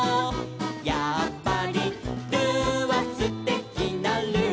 「やっぱりルーはすてきなルー」